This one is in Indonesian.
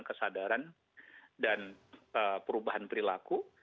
kesadaran dan perubahan perilaku